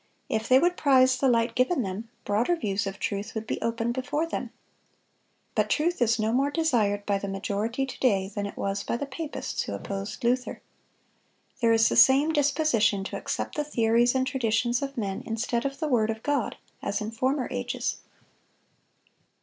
If they would prize the light given them, broader views of truth would be opened before them. But truth is no more desired by the majority to day than it was by the papists who opposed Luther. There is the same disposition to accept the theories and traditions of men instead of the word of God as in former ages.